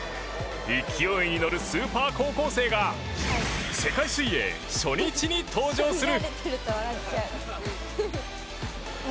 勢いに乗るスーパー高校生が世界水泳初日に登場する。